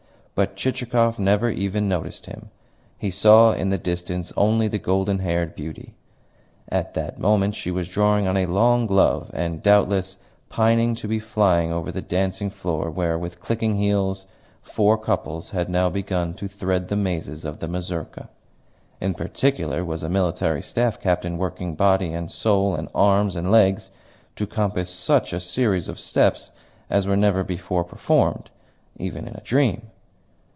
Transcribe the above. But Chichikov never even noticed him; he saw in the distance only the golden haired beauty. At that moment she was drawing on a long glove and, doubtless, pining to be flying over the dancing floor, where, with clicking heels, four couples had now begun to thread the mazes of the mazurka. In particular was a military staff captain working body and soul and arms and legs to compass such a series of steps as were never before performed, even in a dream.